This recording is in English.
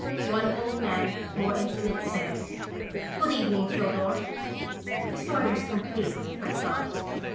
One old man, more intimate, said: " Good evening, Fodor." The story was complete, I thought.